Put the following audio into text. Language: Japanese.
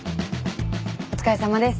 お疲れさまです。